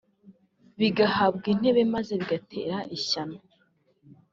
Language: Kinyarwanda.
bigahabwa intebe maze bigatera ishyano